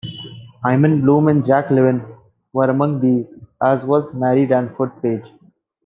Hyman Bloom and Jack Levine were among these, as was Marie Danforth Page.